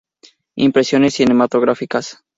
Impresiones cinematográficas.